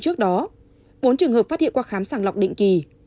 trước đó bốn trường hợp phát hiện qua khám sàng lọc định kỳ